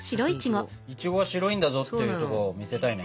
いちごは白いんだぞっていうとこを見せたいね。